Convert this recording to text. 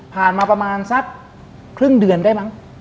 มาประมาณสักครึ่งเดือนได้มั้ง